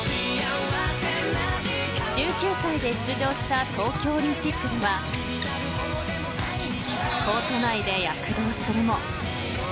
［１９歳で出場した東京オリンピックではコート内で躍動するも］